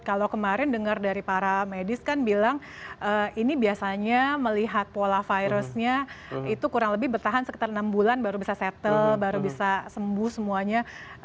kalau kemarin dengar dari para medis kan bilang ini biasanya melihat pola virusnya itu kurang lebih bertahan sekitar enam bulan baru bisa settle baru bisa sembuh semuanya